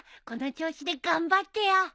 この調子で頑張ってよ。